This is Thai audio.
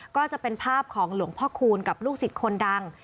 ก็จะเป็นภาพของหลวงพ่อคูณกับลูกศิษย์คนดัง